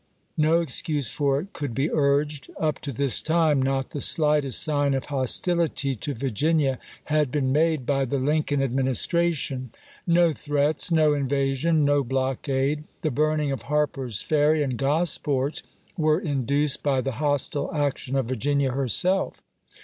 No excuse for it could be urged. Up to this time not the slightest sign of hostility to Vir ginia had been made by the Lincoln Administra tion— no threats, no invasion, no blockade; the burning of Harper's Ferry and Gosport were in duced by the hostile action of Vu'ginia herself.